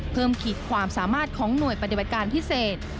ขีดความสามารถของหน่วยปฏิบัติการพิเศษ